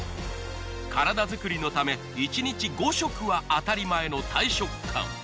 体づくりのため１日５食は当たり前の大食漢。